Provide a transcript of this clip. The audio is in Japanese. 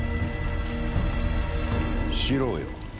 四郎よ。